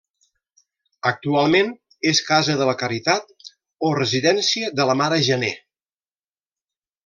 Actualment és casa de la caritat o Residència de la Mare Janer.